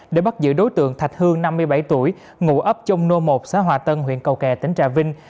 để bắt giữ đối tượng thạch hương năm mươi bảy tuổi ngụ ấp chông nô một xã hòa tân huyện cầu kè tỉnh trà vinh